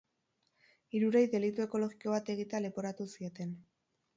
Hirurei delitu ekologiko bat egitea leporatu zieten.